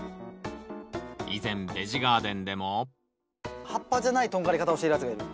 以前ベジガーデンでも葉っぱじゃないとんがり方をしているやつがいる。